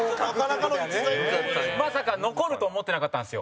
加賀：まさか残ると思ってなかったんですよ。